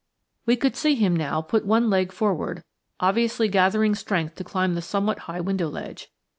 We could see him now put one leg forward, obviously gathering strength to climb the somewhat high window ledge.